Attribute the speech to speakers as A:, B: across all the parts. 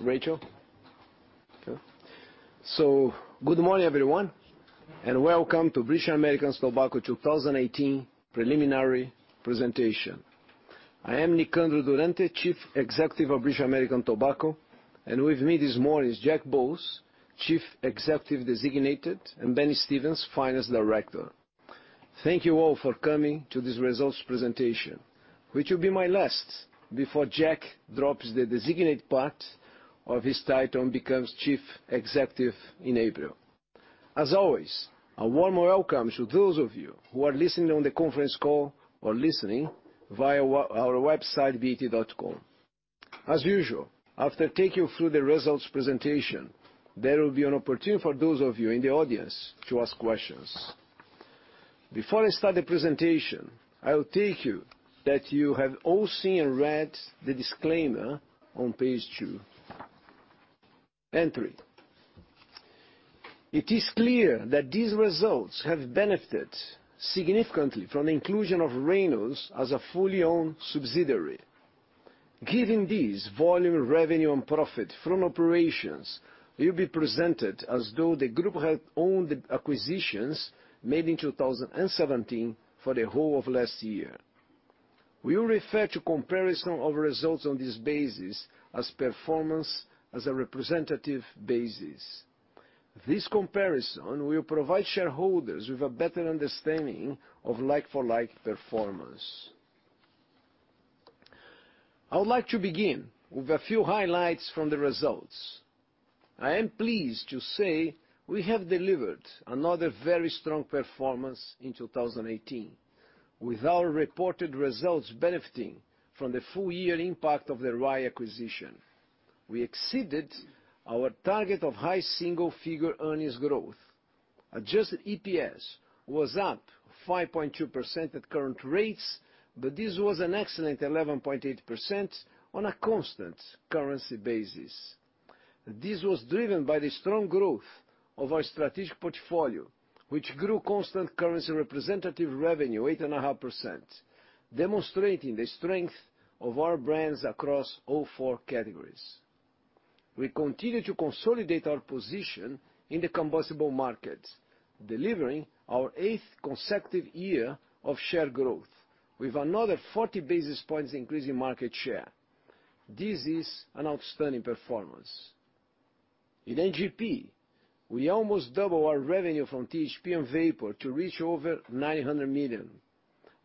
A: Rachel. Okay. So good morning, everyone, and welcome to British American Tobacco 2018 preliminary presentation. I am Nicandro Durante, Chief Executive of British American Tobacco, and with me this morning is Jack Bowles, Chief Executive Designate, and Ben Stevens, Finance Director. Thank you all for coming to this results presentation, which will be my last before Jack drops the designate part of his title and becomes Chief Executive in April. As always, a warm welcome to those of you who are listening on the conference call or listening via our website, bat.com. As usual, after taking you through the results presentation, there will be an opportunity for those of you in the audience to ask questions. Before I start the presentation, I will take it that you have all seen and read the disclaimer on page two and three. It is clear that these results have benefited significantly from the inclusion of Reynolds as a fully owned subsidiary. Given this, volume, revenue, and profit from operations will be presented as though the group had owned the acquisitions made in 2017 for the whole of last year. We refer to comparison of results on this basis as performance as a representative basis. This comparison will provide shareholders with a better understanding of like for like performance. I would like to begin with a few highlights from the results. I am pleased to say we have delivered another very strong performance in 2018, with our reported results benefiting from the full year impact of the RAI acquisition. We exceeded our target of high single figure earnings growth. Adjusted EPS was up 5.2% at current rates, but this was an excellent 11.8% on a constant currency basis. This was driven by the strong growth of our strategic portfolio, which grew constant currency representative revenue 8.5%, demonstrating the strength of our brands across all four categories. We continue to consolidate our position in the combustible markets, delivering our eighth consecutive year of share growth with another 40 basis points increase in market share. In NGP, we almost doubled our revenue from THP and Vapor to reach over 900 million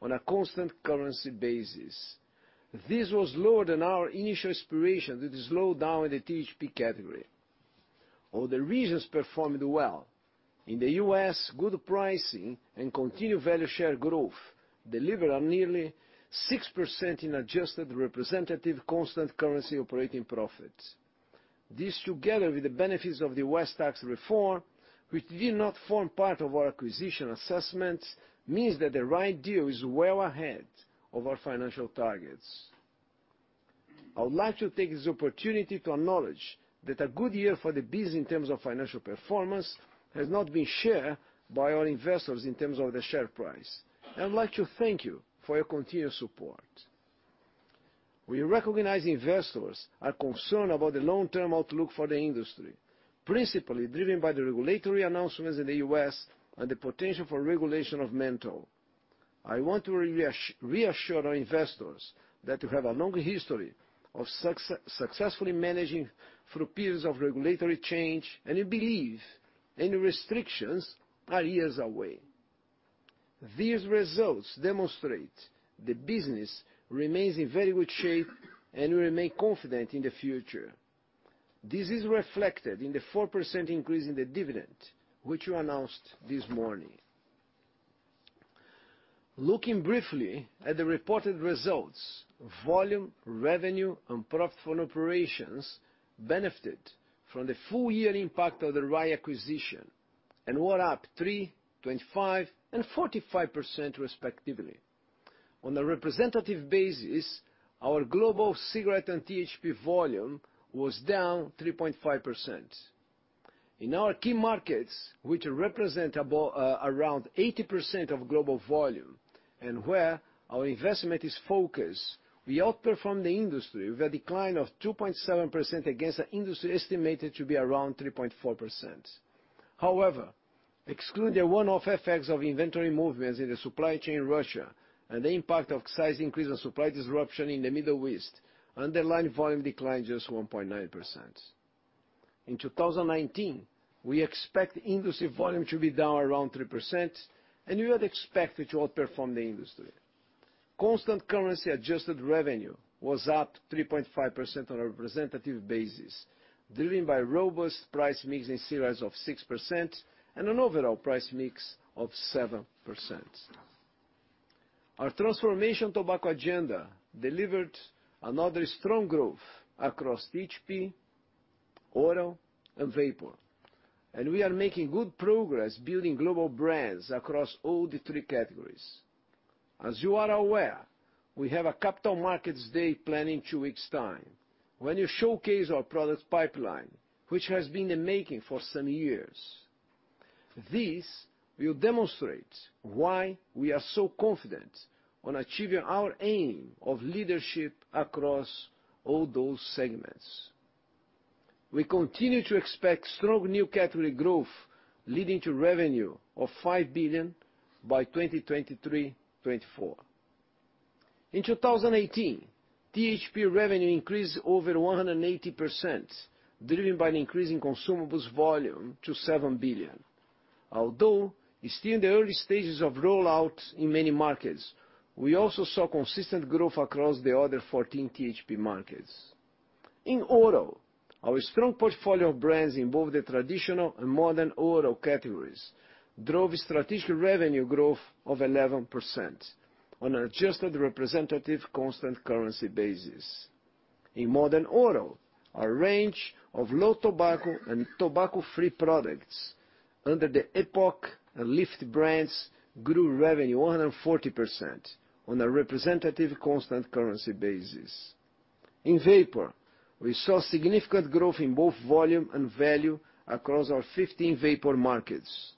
A: on a constant currency basis. This was lower than our initial aspiration with the slowdown in the THP category. All the regions performed well. In the U.S., good pricing and continued value share growth delivered on nearly 6% in adjusted representative constant currency operating profits. This together with the benefits of the U.S. tax reform, which did not form part of our acquisition assessment, means that the right deal is well ahead of our financial targets. I would like to take this opportunity to acknowledge that a good year for the business in terms of financial performance has not been shared by our investors in terms of the share price. I would like to thank you for your continued support. We recognize investors are concerned about the long-term outlook for the industry, principally driven by the regulatory announcements in the U.S. and the potential for regulation of menthol. I want to reassure our investors that we have a long history of successfully managing through periods of regulatory change, and we believe any restrictions are years away. These results demonstrate the business remains in very good shape and we remain confident in the future. This is reflected in the 4% increase in the dividend, which we announced this morning. Looking briefly at the reported results, volume, revenue, and profit from operations benefited from the full year impact of the RAI acquisition and were up 3, 25, and 45% respectively. On a representative basis, our global cigarette and THP volume was down 3.5%. In our key markets, which represent around 80% of global volume and where our investment is focused, we outperformed the industry with a decline of 2.7% against an industry estimated to be around 3.4%. However, excluding the one-off effects of inventory movements in the supply chain in Russia and the impact of size increase and supply disruption in the Middle East, underlying volume declined just 1.9%. In 2019, we expect industry volume to be down around 3%, and we would expect it to outperform the industry. Constant currency adjusted revenue was up 3.5% on a representative basis, driven by robust price mix in cigarettes of 6% and an overall price mix of 7%. Our transformation tobacco agenda delivered another strong growth across THP, oral, and vapor. We are making good progress building global brands across all the three categories. As you are aware, we have a capital markets day planned in two weeks' time. When we showcase our product pipeline, which has been in making for some years. This will demonstrate why we are so confident on achieving our aim of leadership across all those segments. We continue to expect strong new category growth, leading to revenue of 5 billion by 2023, 2024. In 2018, THP revenue increased over 180%, driven by an increase in consumables volume to 7 billion. Although it's still in the early stages of rollout in many markets, we also saw consistent growth across the other 14 THP markets. In oral, our strong portfolio of brands in both the traditional and modern oral categories drove strategic revenue growth of 11% on an adjusted representative constant currency basis. In modern oral, our range of low tobacco and tobacco free products under the Epok and Lyft brands grew revenue 140% on a representative constant currency basis. In vapor, we saw significant growth in both volume and value across our 15 vapor markets.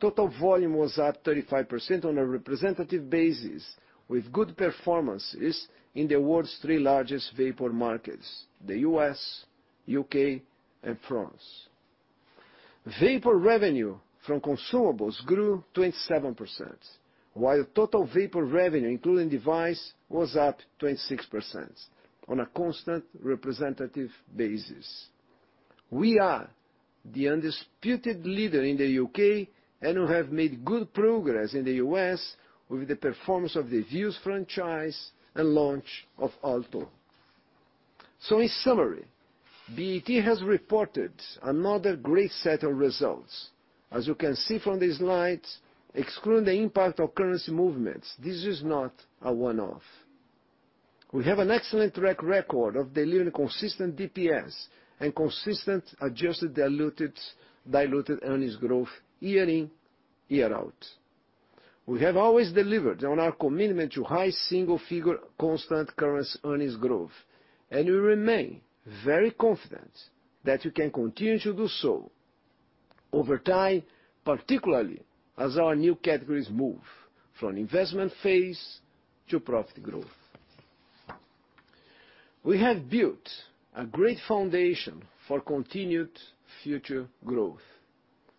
A: Total volume was up 35% on a representative basis, with good performances in the world's three largest vapor markets, the U.S., U.K., and France. Vapor revenue from consumables grew 27%, while total vapor revenue, including device, was up 26% on a constant representative basis. We are the undisputed leader in the U.K. and we have made good progress in the U.S. with the performance of the Vuse franchise and launch of Alto. In summary, BAT has reported another great set of results. As you can see from this slide, excluding the impact of currency movements, this is not a one-off. We have an excellent track record of delivering consistent DPS and consistent adjusted diluted earnings growth year in, year out. We have always delivered on our commitment to high single figure constant currency earnings growth, and we remain very confident that we can continue to do so over time, particularly as our new categories move from investment phase to profit growth. We have built a great foundation for continued future growth.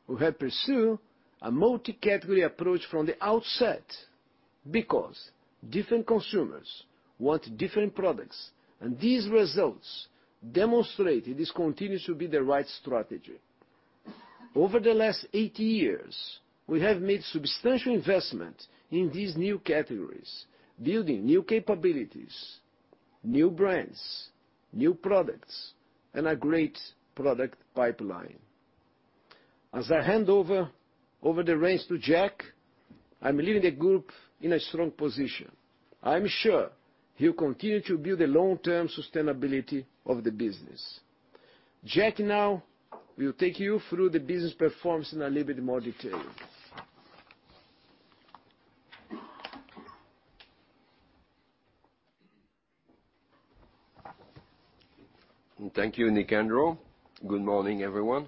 A: We have pursued a multi-category approach from the outset, because different consumers want different products, and these results demonstrate this continues to be the right strategy. Over the last eight years, we have made substantial investment in these new categories, building new capabilities, new brands, new products, and a great product pipeline. As I hand over the reins to Jack, I'm leaving the group in a strong position. I'm sure he'll continue to build the long-term sustainability of the business. Jack now will take you through the business performance in a little bit more detail.
B: Thank you, Nicandro. Good morning, everyone.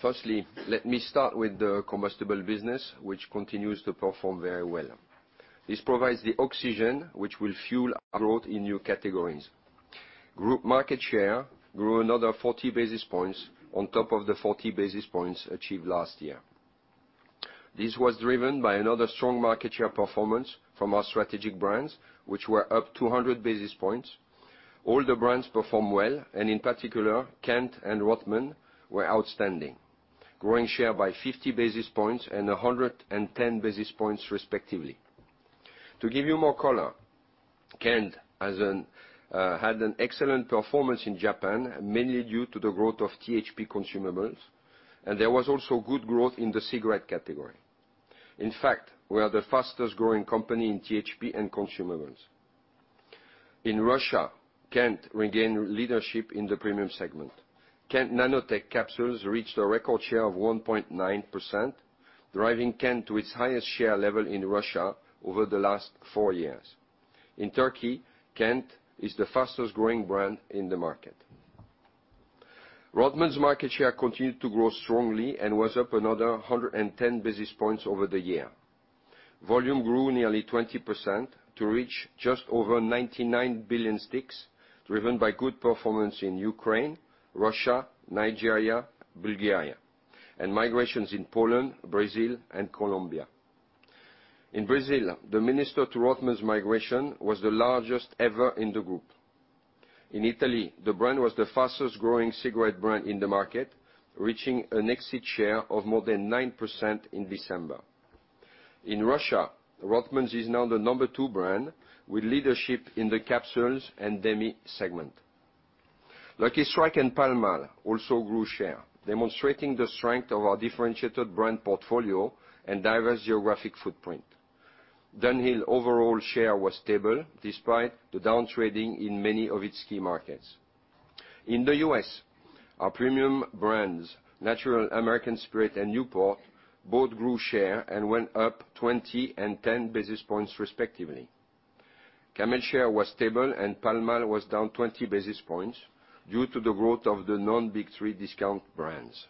B: Firstly, let me start with the combustible business, which continues to perform very well. This provides the oxygen which will fuel our growth in new categories. Group market share grew another 40 basis points on top of the 40 basis points achieved last year. This was driven by another strong market share performance from our strategic brands, which were up 200 basis points. All the brands performed well, and in particular, Kent and Rothmans were outstanding, growing share by 50 basis points and 110 basis points respectively. To give you more color, Kent had an excellent performance in Japan, mainly due to the growth of THP consumables, and there was also good growth in the cigarette category. In fact, we are the fastest growing company in THP and consumables. In Russia, Kent regained leadership in the premium segment. Kent Nanotek capsules reached a record share of 1.9%, driving Kent to its highest share level in Russia over the last four years. In Turkey, Kent is the fastest growing brand in the market. Rothmans market share continued to grow strongly and was up another 110 basis points over the year. Volume grew nearly 20% to reach just over 99 billion sticks, driven by good performance in Ukraine, Russia, Nigeria, Bulgaria, and migrations in Poland, Brazil, and Colombia. In Brazil, the Minister to Rothmans migration was the largest ever in the group. In Italy, the brand was the fastest growing cigarette brand in the market, reaching an exit share of more than 9% in December. In Russia, Rothmans is now the number two brand, with leadership in the capsules and demi segment. Lucky Strike and Pall Mall also grew share, demonstrating the strength of our differentiated brand portfolio and diverse geographic footprint. Dunhill overall share was stable despite the downtrading in many of its key markets. In the U.S., our premium brands, Natural American Spirit and Newport, both grew share and went up 20 and 10 basis points respectively. Camel share was stable, and Pall Mall was down 20 basis points due to the growth of the non-big three discount brands.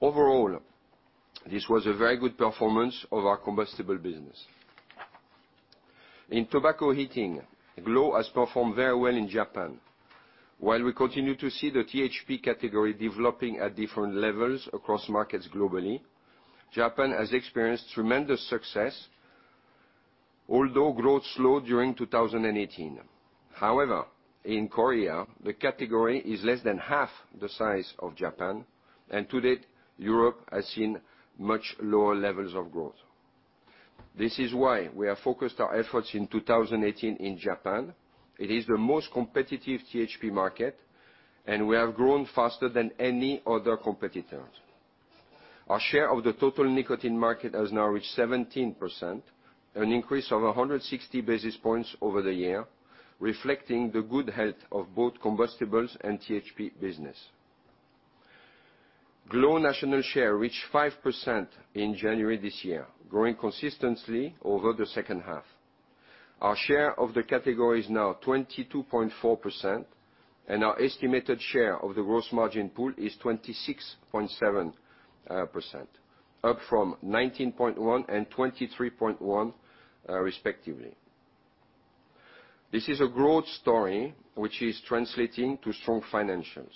B: Overall, this was a very good performance of our combustible business. In tobacco heating, Glo has performed very well in Japan. While we continue to see the THP category developing at different levels across markets globally, Japan has experienced tremendous success, although growth slowed during 2018. However, in Korea, the category is less than half the size of Japan, and to date, Europe has seen much lower levels of growth. This is why we have focused our efforts in 2018 in Japan. It is the most competitive THP market, and we have grown faster than any other competitor. Our share of the total nicotine market has now reached 17%, an increase of 160 basis points over the year, reflecting the good health of both combustibles and THP business. Glo national share reached 5% in January this year, growing consistently over the second half. Our share of the category is now 22.4%, and our estimated share of the gross margin pool is 26.7%, up from 19.1% and 23.1% respectively. This is a growth story, which is translating to strong financials.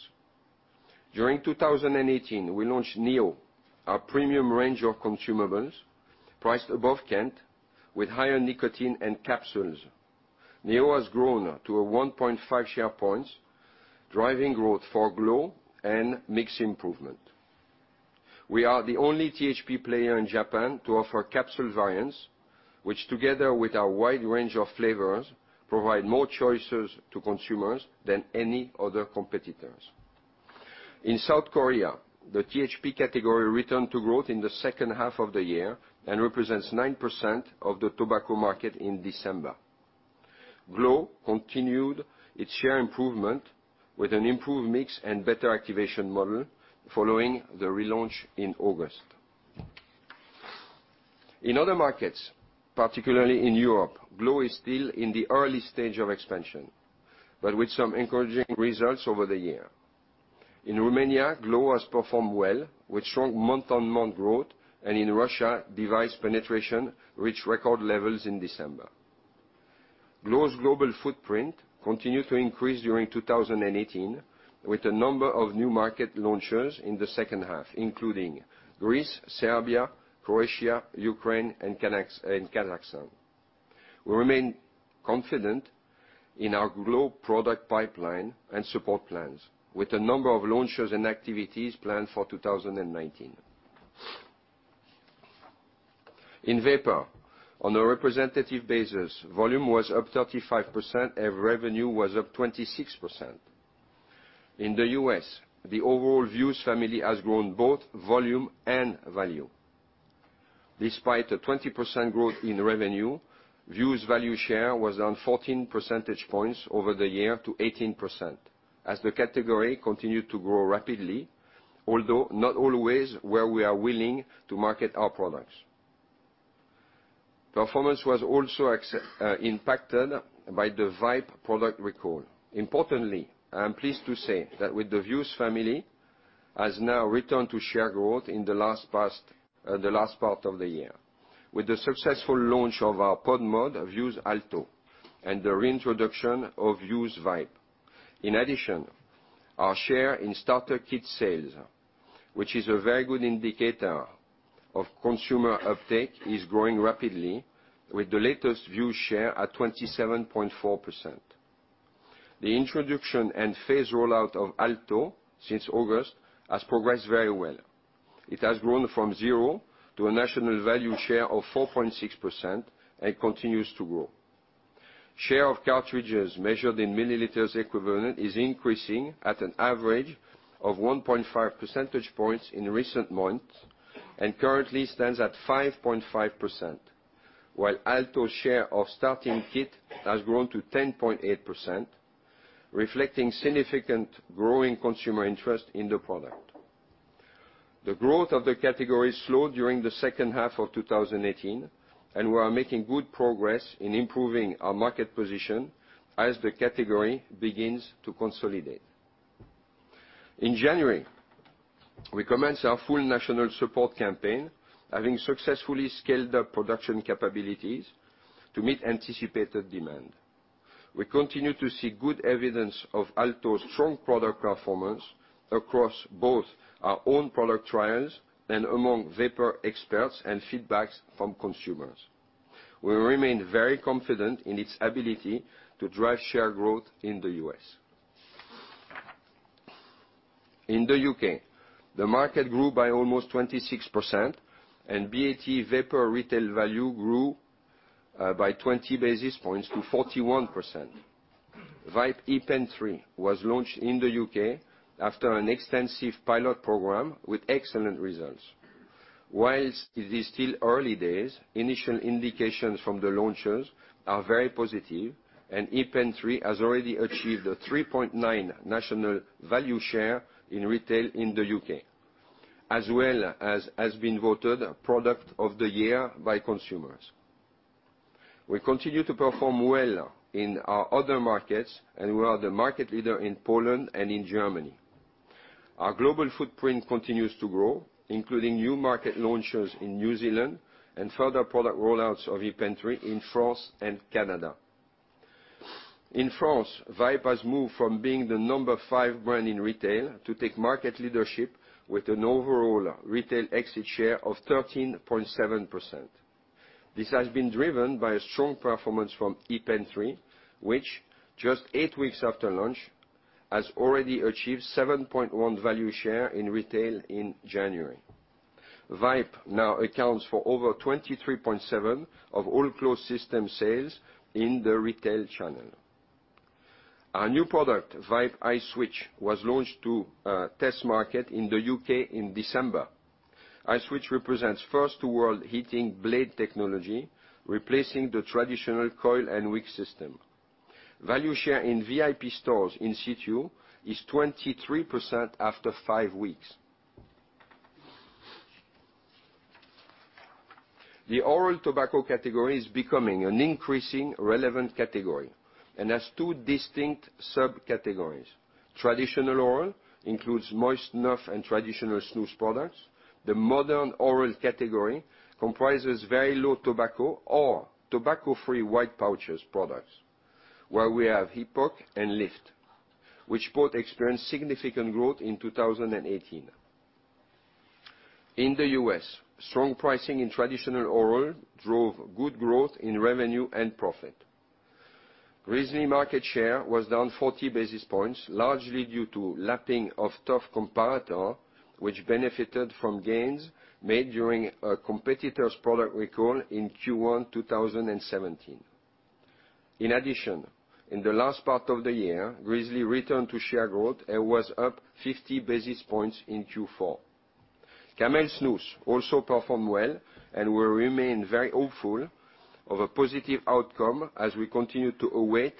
B: During 2018, we launched Neo, our premium range of consumables priced above Kent with higher nicotine and capsules. Neo has grown to a 1.5 share points, driving growth for Glo and mix improvement. We are the only THP player in Japan to offer capsule variants, which together with our wide range of flavors, provide more choices to consumers than any other competitors. In South Korea, the THP category returned to growth in the second half of the year and represents 9% of the tobacco market in December. Glo continued its share improvement with an improved mix and better activation model following the relaunch in August. In other markets, particularly in Europe, Glo is still in the early stage of expansion, but with some encouraging results over the year. In Romania, Glo has performed well with strong month-on-month growth, and in Russia, device penetration reached record levels in December. Glo's global footprint continued to increase during 2018 with a number of new market launches in the second half, including Greece, Serbia, Croatia, Ukraine, and Kazakhstan. We remain confident in our Glo product pipeline and support plans, with a number of launches and activities planned for 2019. In vapor, on a representative basis, volume was up 35% and revenue was up 26%. In the U.S., the overall Vuse family has grown both volume and value. Despite a 20% growth in revenue, Vuse value share was down 14 percentage points over the year to 18%, as the category continued to grow rapidly, although not always where we are willing to market our products. Performance was also impacted by the Vype product recall. Importantly, I am pleased to say that with the Vuse family has now returned to share growth in the last part of the year with the successful launch of our pod mod, Vuse Alto, and the reintroduction of Vuse Vype. In addition, our share in starter kit sales, which is a very good indicator of consumer uptake, is growing rapidly with the latest Vuse share at 27.4%. The introduction and phase rollout of Alto since August has progressed very well. It has grown from zero to a national value share of 4.6% and continues to grow. Share of cartridges measured in milliliters equivalent is increasing at an average of 1.5 percentage points in recent months and currently stands at 5.5%, while Alto share of starting kit has grown to 10.8%, reflecting significant growing consumer interest in the product. The growth of the category slowed during the second half of 2018, and we are making good progress in improving our market position as the category begins to consolidate. In January, we commenced our full national support campaign, having successfully scaled up production capabilities to meet anticipated demand. We continue to see good evidence of Alto's strong product performance across both our own product trials and among vapor experts and feedbacks from consumers. We remain very confident in its ability to drive share growth in the U.S. In the U.K., the market grew by almost 26%, and BAT vapor retail value grew by 20 basis points to 41%. Vype ePen 3 was launched in the U.K. after an extensive pilot program with excellent results. Whilst it is still early days, initial indications from the launches are very positive, and ePen 3 has already achieved a 3.9 national value share in retail in the U.K. As well as has been voted product of the year by consumers. We continue to perform well in our other markets, and we are the market leader in Poland and in Germany. Our global footprint continues to grow, including new market launches in New Zealand, and further product rollouts of ePen 3 in France and Canada. In France, Vype has moved from being the number 5 brand in retail to take market leadership with an overall retail exit share of 13.7%. This has been driven by a strong performance from ePen 3, which just eight weeks after launch, has already achieved 7.1 value share in retail in January. Vype now accounts for over 23.7% of all closed system sales in the retail channel. Our new product, Vype iSwitch, was launched to a test market in the U.K. in December. iSwitch represents first to world heating blade technology, replacing the traditional coil and wick system. Value share in VIP stores in situ is 23% after five weeks. The oral tobacco category is becoming an increasingly relevant category and has two distinct subcategories. Traditional oral includes moist snuff and traditional snus products. The modern oral category comprises very low tobacco or tobacco-free white pouches products, where we have Epoc and Lyft, which both experienced significant growth in 2018. In the U.S., strong pricing in traditional oral drove good growth in revenue and profit. Grizzly market share was down 40 basis points, largely due to lapping of tough comparator, which benefited from gains made during a competitor's product recall in Q1 2017. In addition, in the last part of the year, Grizzly returned to share growth and was up 50 basis points in Q4. Camel Snus also performed well, and we remain very hopeful of a positive outcome as we continue to await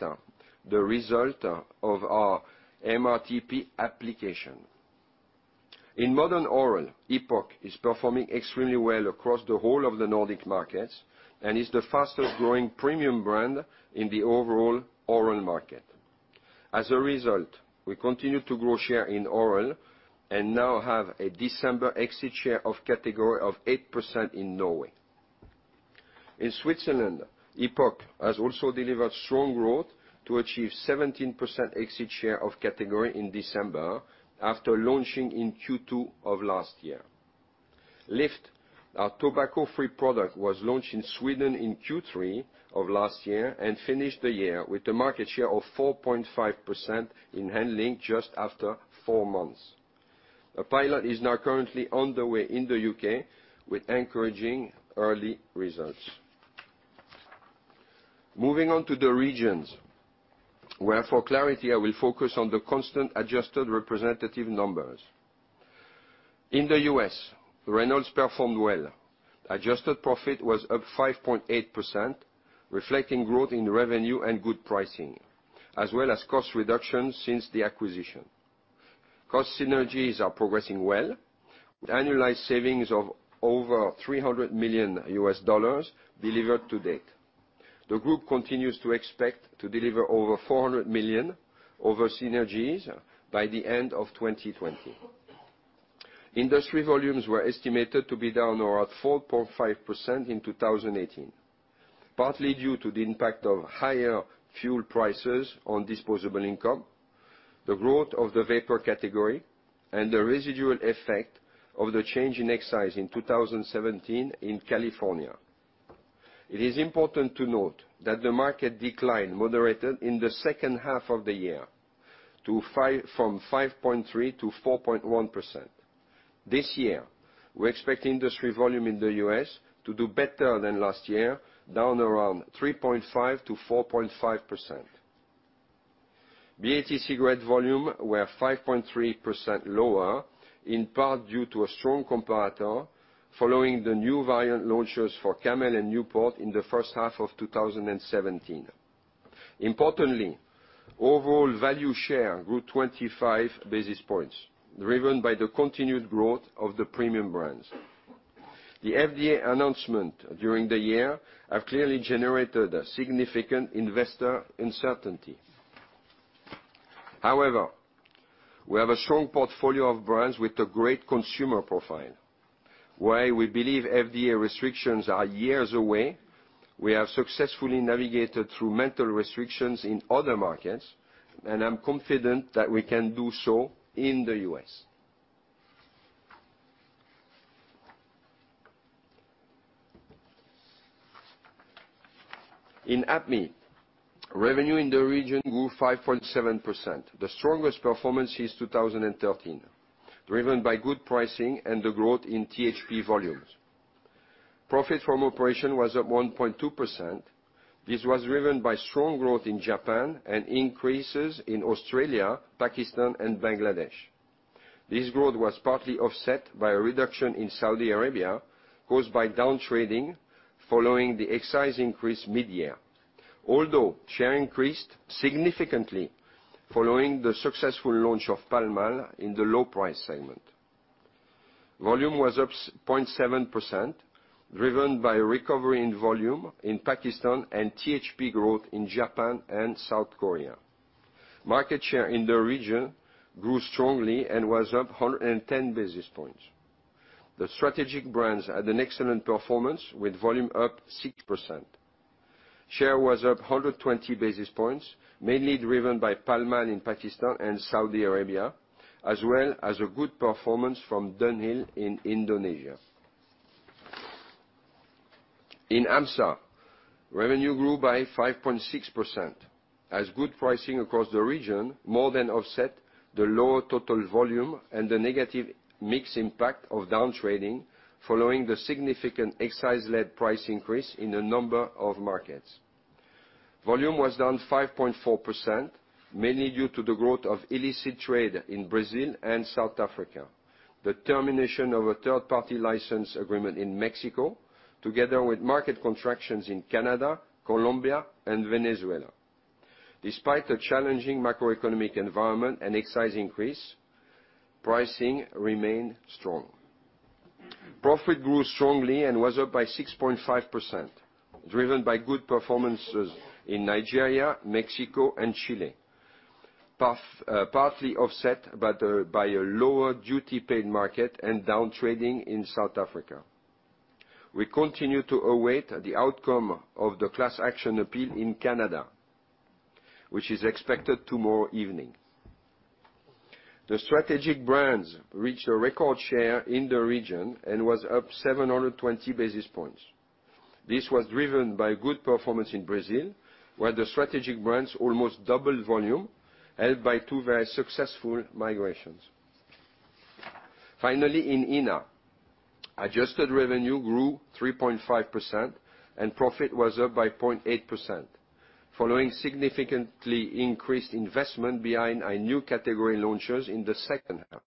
B: the result of our MRTP application. In modern oral, Epoc is performing extremely well across the whole of the Nordic markets and is the fastest-growing premium brand in the overall oral market. As a result, we continue to grow share in oral and now have a December exit share of category of 8% in Norway. In Switzerland, Epoc has also delivered strong growth to achieve 17% exit share of category in December after launching in Q2 of last year. Lyft, our tobacco-free product, was launched in Sweden in Q3 of last year and finished the year with a market share of 4.5% in handling just after four months. A pilot is now currently underway in the U.K. with encouraging early results. Moving on to the regions, where for clarity, I will focus on the constant adjusted representative numbers. In the U.S., Reynolds performed well. Adjusted profit was up 5.8%, reflecting growth in revenue and good pricing, as well as cost reductions since the acquisition. Cost synergies are progressing well, with annualized savings of over $300 million delivered to date. The group continues to expect to deliver over 400 million over synergies by the end of 2020. Industry volumes were estimated to be down around 4.5% in 2018, partly due to the impact of higher fuel prices on disposable income, the growth of the vapor category, and the residual effect of the change in excise in 2017 in California. It is important to note that the market decline moderated in the second half of the year from 5.3%-4.1%. This year, we expect industry volume in the U.S. to do better than last year, down around 3.5%-4.5%. BAT cigarette volume were 5.3% lower, in part due to a strong comparator following the new variant launches for Camel and Newport in the first half of 2017. Importantly, overall value share grew 25 basis points, driven by the continued growth of the premium brands. The FDA announcement during the year have clearly generated a significant investor uncertainty. However, we have a strong portfolio of brands with a great consumer profile. While we believe FDA restrictions are years away, we have successfully navigated through menthol restrictions in other markets, and I'm confident that we can do so in the U.S. In APME, revenue in the region grew 5.7%, the strongest performance since 2013, driven by good pricing and the growth in THP volumes. Profit from operation was up 1.2%. This was driven by strong growth in Japan and increases in Australia, Pakistan and Bangladesh. This growth was partly offset by a reduction in Saudi Arabia caused by downtrading following the excise increase mid-year. Although share increased significantly following the successful launch of Pall Mall in the low price segment. Volume was up 0.7%, driven by a recovery in volume in Pakistan and THP growth in Japan and South Korea. Market share in the region grew strongly and was up 110 basis points. The strategic brands had an excellent performance with volume up 6%. Share was up 120 basis points, mainly driven by Pall Mall in Pakistan and Saudi Arabia, as well as a good performance from Dunhill in Indonesia. In AMSSA, revenue grew by 5.6%, as good pricing across the region more than offset the lower total volume and the negative mix impact of downtrading following the significant excise-led price increase in a number of markets. Volume was down 5.4%, mainly due to the growth of illicit trade in Brazil and South Africa, the termination of a third-party license agreement in Mexico, together with market contractions in Canada, Colombia and Venezuela. Despite a challenging macroeconomic environment and excise increase, pricing remained strong. Profit grew strongly and was up by 6.5%, driven by good performances in Nigeria, Mexico and Chile. Partly offset by a lower duty paid market and downtrading in South Africa. We continue to await the outcome of the class action appeal in Canada, which is expected tomorrow evening. The strategic brands reached a record share in the region and was up 720 basis points. This was driven by good performance in Brazil, where the strategic brands almost doubled volume, helped by two very successful migrations. Finally, in ENA, adjusted revenue grew 3.5% and profit was up by 0.8%, following significantly increased investment behind our new category launches in the second half.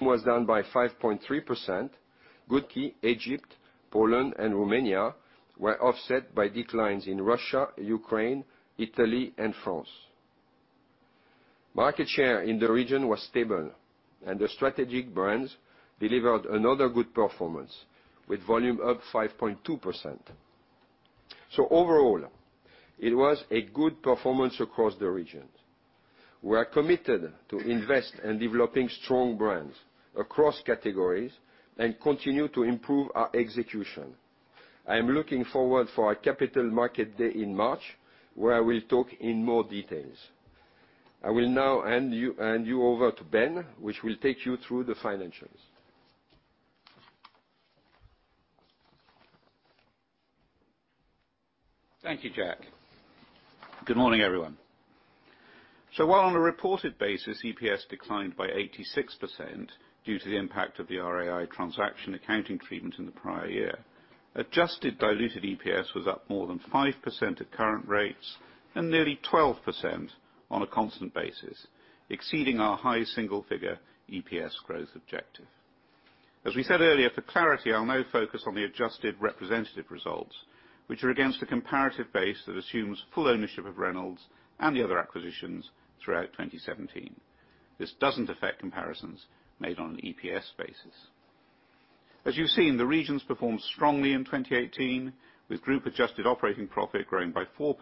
B: Was down by 5.3%. Turkey, Egypt, Poland and Romania were offset by declines in Russia, Ukraine, Italy and France. Market share in the region was stable, and the strategic brands delivered another good performance with volume up 5.2%. Overall, it was a good performance across the regions. We are committed to invest in developing strong brands across categories and continue to improve our execution. I am looking forward for our capital market day in March, where I will talk in more details. I will now hand you over to Ben, who will take you through the financials.
C: Thank you, Jack. Good morning, everyone. While on a reported basis, EPS declined by 86% due to the impact of the RAI transaction accounting treatment in the prior year, adjusted diluted EPS was up more than 5% at current rates and nearly 12% on a constant basis, exceeding our high single-figure EPS growth objective. As we said earlier, for clarity, I will now focus on the adjusted representative results, which are against a comparative base that assumes full ownership of Reynolds and the other acquisitions throughout 2017. This does not affect comparisons made on an EPS basis. As you have seen, the regions performed strongly in 2018, with group adjusted operating profit growing by 4%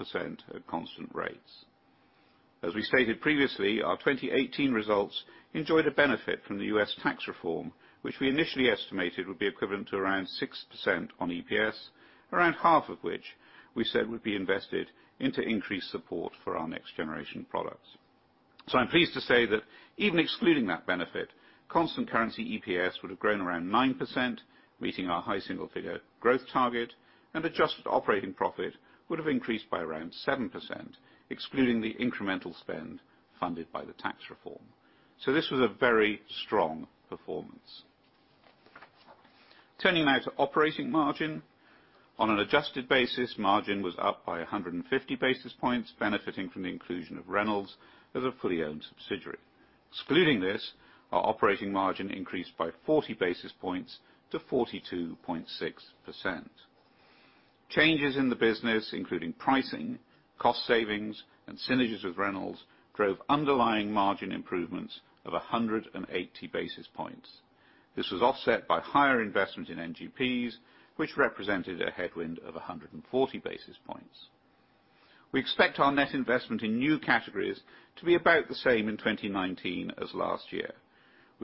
C: at constant rates. As we stated previously, our 2018 results enjoyed a benefit from the US tax reform, which we initially estimated would be equivalent to around 6% on EPS, around half of which we said would be invested into increased support for our next generation products. I am pleased to say that even excluding that benefit, constant currency EPS would have grown around 9%, meeting our high single-figure growth target, and adjusted operating profit would have increased by around 7%, excluding the incremental spend funded by the tax reform. This was a very strong performance. Turning now to operating margin. On an adjusted basis, margin was up by 150 basis points, benefiting from the inclusion of Reynolds as a fully owned subsidiary. Excluding this, our operating margin increased by 40 basis points to 42.6%. Changes in the business, including pricing, cost savings, and synergies with Reynolds, drove underlying margin improvements of 180 basis points. This was offset by higher investment in NGPs, which represented a headwind of 140 basis points. We expect our net investment in new categories to be about the same in 2019 as last year.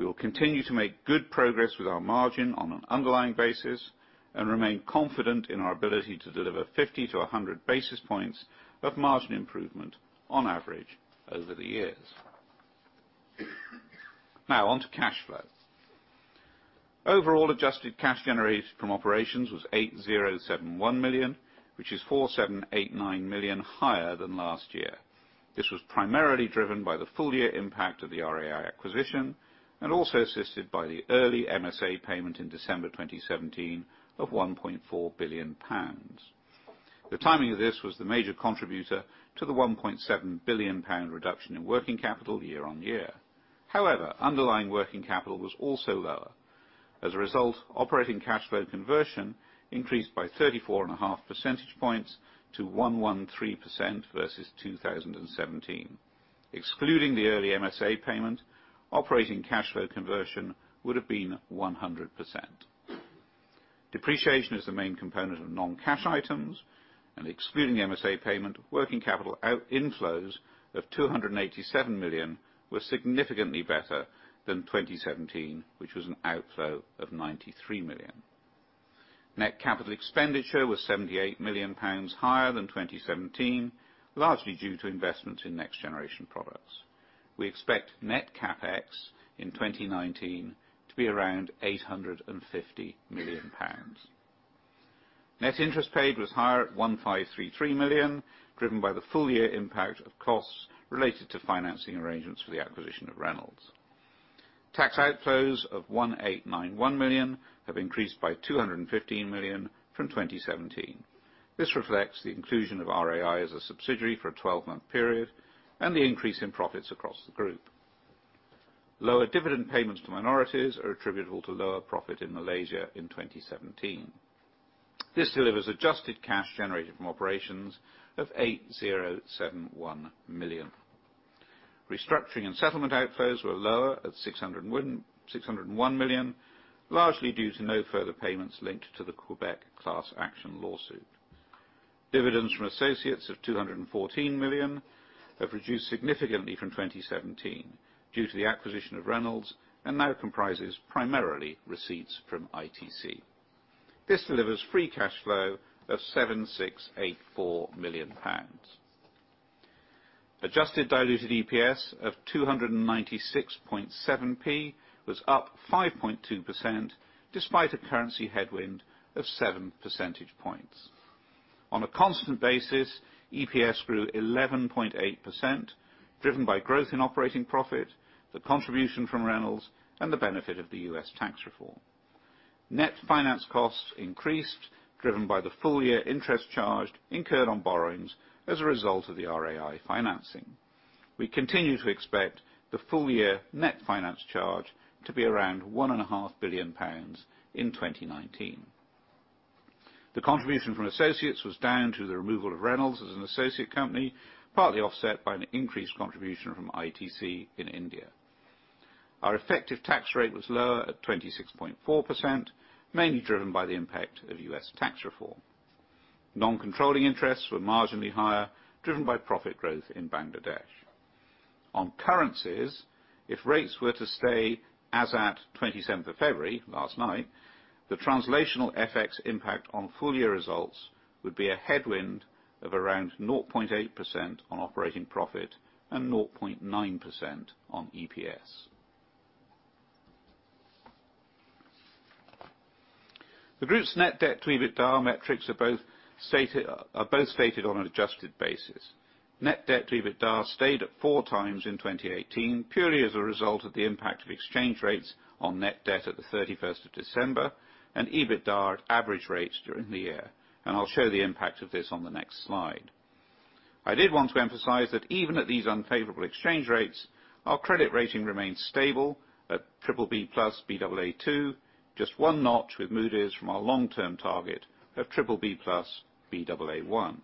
C: We will continue to make good progress with our margin on an underlying basis and remain confident in our ability to deliver 50 to 100 basis points of margin improvement on average over the years. Now on to cash flow. Overall adjusted cash generated from operations was 8,071 million, which is 4,789 million higher than last year. This was primarily driven by the full year impact of the RAI acquisition and also assisted by the early MSA payment in December 2017 of GBP 1.4 billion. The timing of this was the major contributor to the 1.7 billion pound reduction in working capital year on year. However, underlying working capital was also lower. As a result, operating cash flow conversion increased by 34.5 percentage points to 113% versus 2017. Excluding the early MSA payment, operating cash flow conversion would have been 100%. Depreciation is the main component of non-cash items, and excluding the MSA payment, working capital outflows of 287 million were significantly better than 2017, which was an outflow of 93 million. Net capital expenditure was 78 million pounds higher than 2017, largely due to investments in next-generation products. We expect net CapEx in 2019 to be around 850 million pounds. Net interest paid was higher at 1,533 million, driven by the full year impact of costs related to financing arrangements for the acquisition of Reynolds. Tax outflows of 1,891 million have increased by 215 million from 2017. This reflects the inclusion of RAI as a subsidiary for a 12-month period and the increase in profits across the group. Lower dividend payments to minorities are attributable to lower profit in Malaysia in 2017. This delivers adjusted cash generated from operations of 8,071 million. Restructuring and settlement outflows were lower at 601 million, largely due to no further payments linked to the Quebec class action lawsuit. Dividends from associates of 214 million have reduced significantly from 2017 due to the acquisition of Reynolds, and now comprises primarily receipts from ITC. This delivers free cash flow of 7,684 million pounds. Adjusted diluted EPS of 2.967 was up 5.2%, despite a currency headwind of seven percentage points. On a constant basis, EPS grew 11.8%, driven by growth in operating profit, the contribution from Reynolds, and the benefit of the U.S. tax reform. Net finance costs increased, driven by the full year interest charged incurred on borrowings as a result of the RAI financing. We continue to expect the full year net finance charge to be around 1.5 billion pounds in 2019. The contribution from associates was down to the removal of Reynolds as an associate company, partly offset by an increased contribution from ITC in India. Our effective tax rate was lower at 26.4%, mainly driven by the impact of U.S. tax reform. Non-controlling interests were marginally higher, driven by profit growth in Bangladesh. On currencies, if rates were to stay as at 27th of February, last night, the translational FX impact on full year results would be a headwind of around 0.8% on operating profit and 0.9% on EPS. The group's net debt to EBITDA metrics are both stated on an adjusted basis. Net debt to EBITDA stayed at four times in 2018, purely as a result of the impact of exchange rates on net debt at the 31st of December and EBITDA at average rates during the year. I'll show the impact of this on the next slide. I did want to emphasize that even at these unfavorable exchange rates, our credit rating remains stable at BBB+ Baa2, just one notch with Moody's from our long-term target of BBB+ Baa1.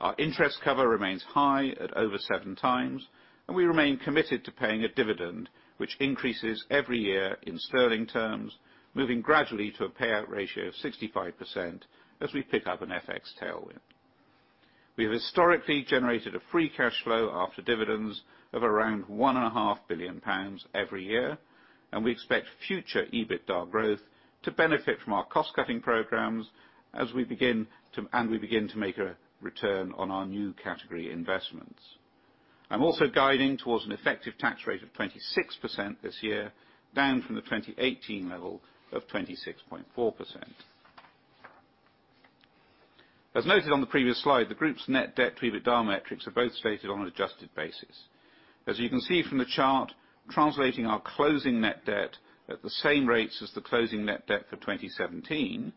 C: Our interest cover remains high at over seven times, and we remain committed to paying a dividend which increases every year in sterling terms, moving gradually to a payout ratio of 65% as we pick up an FX tailwind. We have historically generated a free cash flow after dividends of around 1.5 billion pounds every year, and we expect future EBITDA growth to benefit from our cost-cutting programs and we begin to make a return on our new category investments. I am also guiding towards an effective tax rate of 26% this year, down from the 2018 level of 26.4%. As noted on the previous slide, the group's net debt to EBITDA metrics are both stated on an adjusted basis. As you can see from the chart, translating our closing net debt at the same rates as the closing net debt for 2017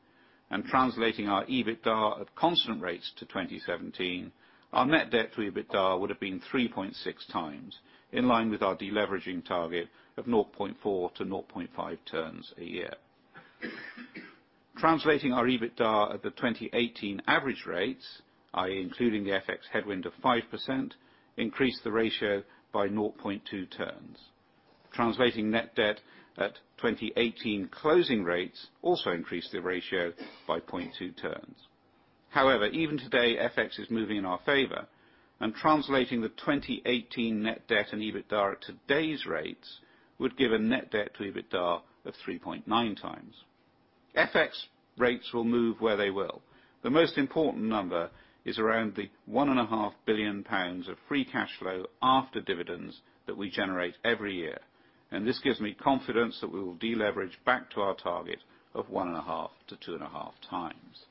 C: and translating our EBITDA at constant rates to 2017, our net debt to EBITDA would have been 3.6 times, in line with our deleveraging target of 0.4-0.5 turns a year. Translating our EBITDA at the 2018 average rates, i.e. including the FX headwind of 5%, increased the ratio by 0.2 turns. Translating net debt at 2018 closing rates also increased the ratio by 0.2 turns. However, even today, FX is moving in our favor, and translating the 2018 net debt and EBITDA at today's rates would give a net debt to EBITDA of 3.9 times. FX rates will move where they will. The most important number is around the 1.5 billion pounds of free cash flow after dividends that we generate every year, and this gives me confidence that we will deleverage back to our target of one and a half to two and a half times.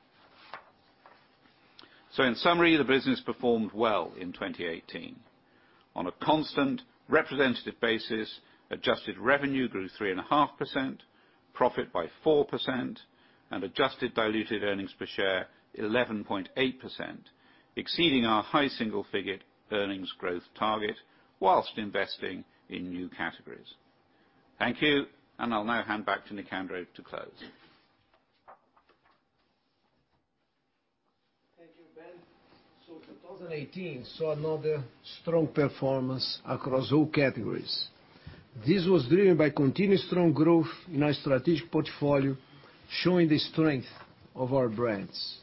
C: In summary, the business performed well in 2018. On a constant representative basis, adjusted revenue grew 3.5%, profit by 4%, and adjusted diluted earnings per share 11.8%, exceeding our high single-figure earnings growth target, whilst investing in new categories. Thank you, and I will now hand back to Nicandro to close.
A: Thank you, Ben. 2018 saw another strong performance across all categories. This was driven by continuous strong growth in our strategic portfolio, showing the strength of our brands.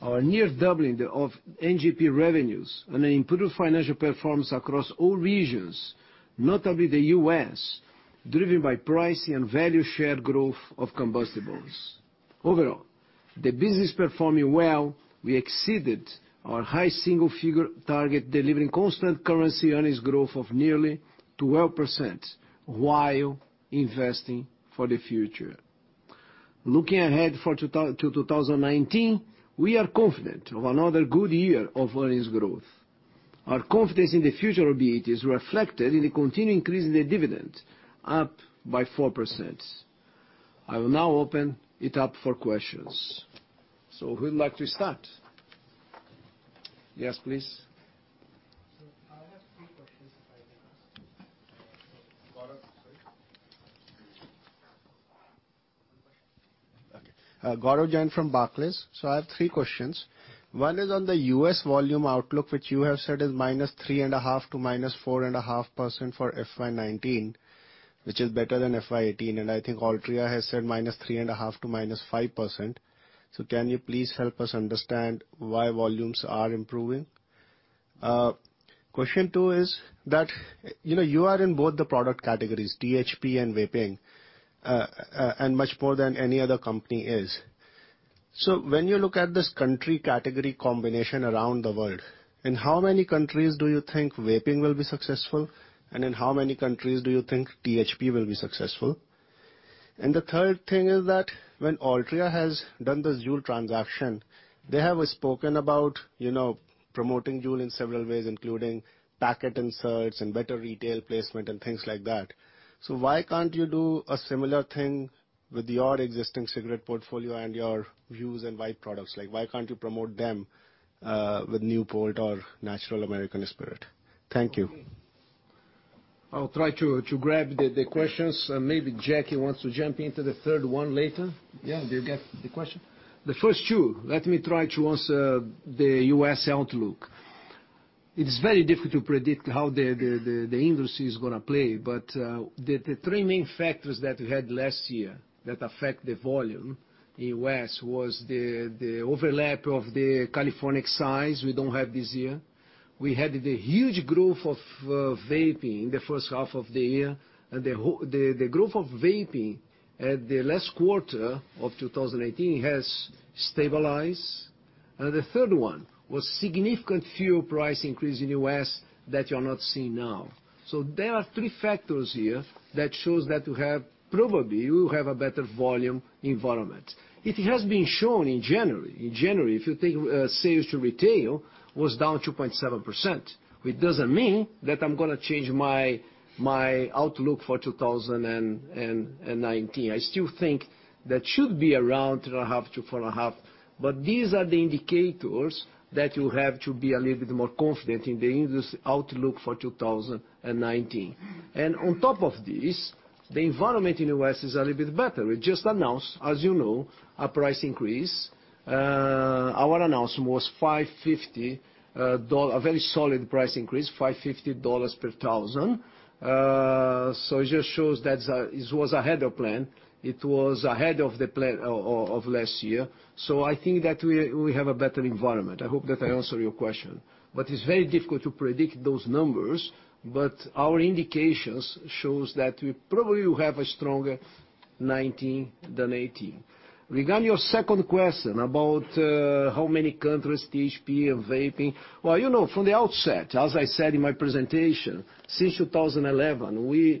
A: Our near doubling of NGP revenues and an improved financial performance across all regions, notably the U.S., driven by pricing and value share growth of combustibles. Overall, the business performing well. We exceeded our high single-figure target, delivering constant currency earnings growth of nearly 12%, while investing for the future. Looking ahead to 2019, we are confident of another good year of earnings growth. Our confidence in the future abilities reflected in the continuing increase in the dividend, up by 4%. I will now open it up for questions. Who would like to start? Yes, please.
D: Sir, I have three questions, if I may ask.
A: Gaurav, sorry.
D: One question. Okay. Gaurav Jain from Barclays. I have three questions. One is on the U.S. volume outlook, which you have said is -3.5% to -4.5% for FY 2019, which is better than FY 2018, and I think Altria has said -3.5% to -5%. Can you please help us understand why volumes are improving? Question two is that, you are in both the product categories, THP and vaping, and much more than any other company is. When you look at this country category combination around the world, in how many countries do you think vaping will be successful? And in how many countries do you think THP will be successful? And the third thing is that when Altria has done the JUUL transaction, they have spoken about promoting JUUL in several ways, including packet inserts and better retail placement and things like that. Why can't you do a similar thing with your existing cigarette portfolio and your Vuse and Vype products? Why can't you promote them with Newport or Natural American Spirit? Thank you.
A: I'll try to grab the questions, and maybe Jackie wants to jump into the third one later. Do you get the question? The first two, let me try to answer the U.S. outlook. It's very difficult to predict how the industry is going to play, but the three main factors that we had last year that affect the volume in U.S. was the overlap of the California excise, we don't have this year. We had the huge growth of vaping in the first half of the year, and the growth of vaping at the last quarter of 2018 has stabilized. The third one was significant fuel price increase in U.S. that you are not seeing now. There are three factors here that shows that probably you have a better volume environment. It has been shown in January. In January, if you take sales to retail was down 2.7%, which doesn't mean that I'm going to change my outlook for 2019. I still think that should be around 3.5%-4.5%. These are the indicators that you have to be a little bit more confident in the industry outlook for 2019. On top of this, the environment in U.S. is a little bit better. We just announced, as you know, a price increase. Our announcement was a very solid price increase, $550 per thousand. It just shows that it was ahead of plan. It was ahead of last year. I think that we have a better environment. I hope that I answered your question. It's very difficult to predict those numbers, but our indications shows that we probably will have a stronger 2019 than 2018. Regarding your second question about how many countries THP and vaping. From the outset, as I said in my presentation, since 2011,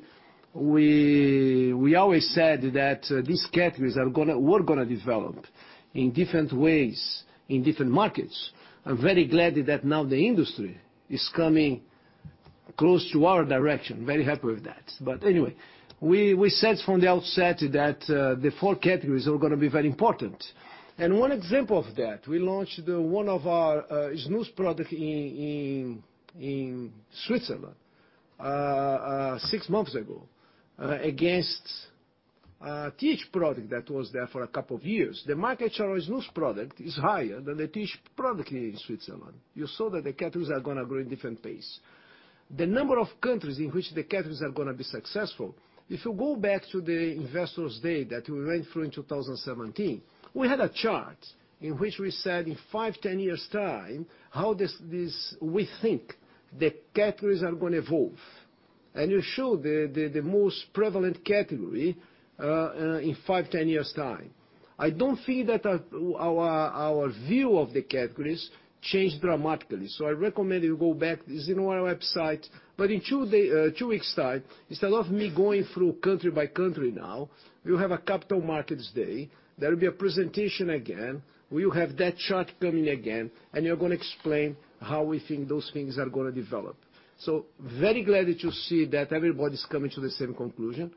A: we always said that these categories were going to develop in different ways in different markets. I'm very glad that now the industry is coming close to our direction. Very happy with that. Anyway, we said from the outset that the four categories are going to be very important. One example of that, we launched one of our snus product in Switzerland six months ago against a TH product that was there for a couple of years. The market share of snus product is higher than the TH product in Switzerland. You saw that the categories are going to grow in different pace. The number of countries in which the categories are going to be successful, if you go back to the investors day that we went through in 2017, we had a chart in which we said in five, 10 years' time, how we think the categories are going to evolve. It showed the most prevalent category in five, 10 years' time. I don't think that our view of the categories changed dramatically. I recommend you go back. This is on our website. In two weeks' time, instead of me going through country by country now, we will have a capital markets day. There will be a presentation again, where you have that chart coming again, and we are going to explain how we think those things are going to develop. Very glad to see that everybody's coming to the same conclusion.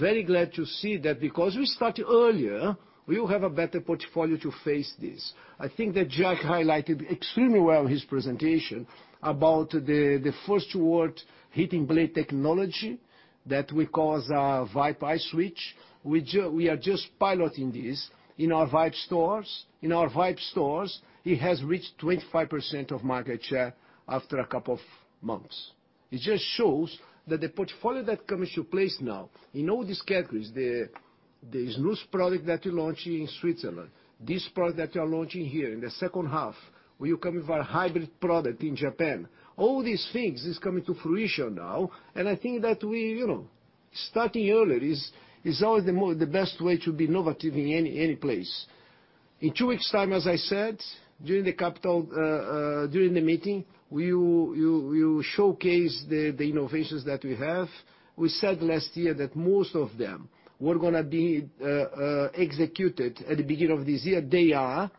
A: Very glad to see that because we started earlier, we will have a better portfolio to face this. I think that Jack highlighted extremely well in his presentation about the first to world heating blade technology that we call Vype iSwitch. We are just piloting this in our Vype stores. In our Vype stores, it has reached 25% of market share after a couple of months. It just shows that the portfolio that comes into place now, in all these categories, the snus product that we launch in Switzerland, this product that we are launching here in the second half, we are coming with a hybrid product in Japan. All these things is coming to fruition now, I think that we, starting earlier is always the best way to be innovative in any place. In two weeks' time, as I said, during the meeting, we will showcase the innovations that we have. We said last year that most of them were going to be executed at the beginning of this year. They are.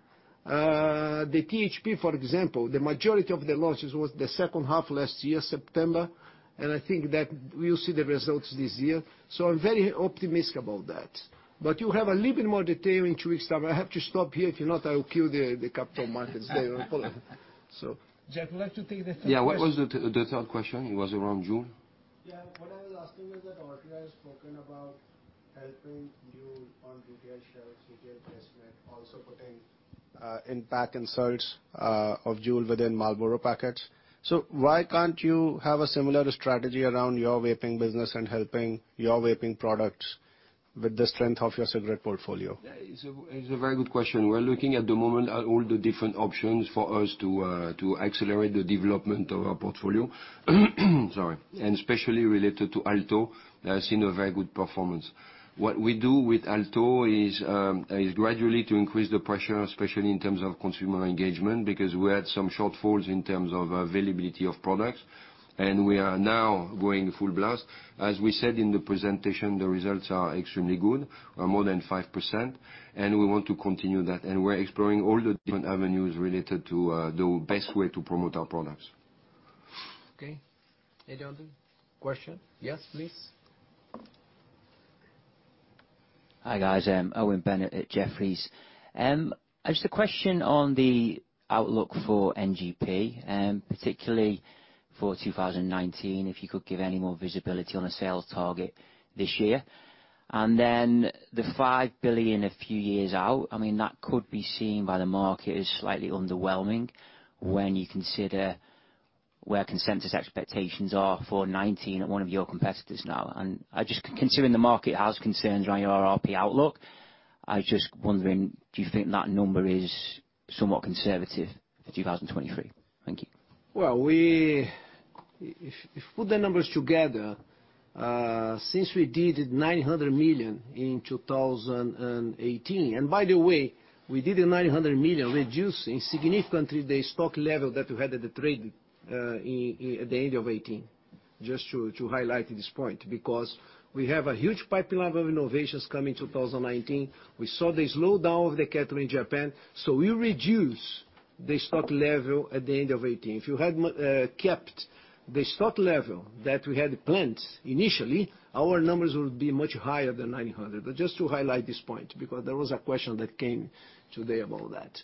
A: The THP, for example, the majority of the launches was the second half last year, September. I think that we will see the results this year. I'm very optimistic about that. You have a little bit more detail in two weeks' time. I have to stop here. If not, I will kill the capital markets day so. Jack, would like to take the third question?
B: Yeah. What was the third question? It was around JUUL?
D: What I was asking was that Alto has spoken about helping JUUL on retail shelves, retail placement, also putting in-pack inserts of JUUL within Marlboro packets. Why can't you have a similar strategy around your vaping business and helping your vaping products with the strength of your cigarette portfolio?
B: It's a very good question. We're looking at the moment at all the different options for us to accelerate the development of our portfolio. Sorry. Especially related to Alto, that has seen a very good performance. What we do with Alto is gradually to increase the pressure, especially in terms of consumer engagement, because we had some shortfalls in terms of availability of products, we are now going full blast. As we said in the presentation, the results are extremely good. Are more than 5%, we want to continue that. We're exploring all the different avenues related to the best way to promote our products.
A: Okay. Any other question? Yes, please.
E: Hi, guys. Owen Bennett at Jefferies. Just a question on the outlook for NGP, particularly for 2019, if you could give any more visibility on a sales target this year. Then the 5 billion a few years out. That could be seen by the market as slightly underwhelming when you consider where consensus expectations are for 2019 at one of your competitors now. Just considering the market has concerns on your RRP outlook, I just wondering, do you think that number is somewhat conservative for 2023? Thank you.
A: Well, if we put the numbers together, since we did 900 million in 2018, we did the 900 million, reducing significantly the stock level that we had at the trade at the end of 2018. Just to highlight this point, because we have a huge pipeline of innovations coming 2019. We saw the slowdown of the category in Japan. We reduce the stock level at the end of 2018. If you had kept the stock level that we had planned initially, our numbers would be much higher than 900. Just to highlight this point, because there was a question that came today about that.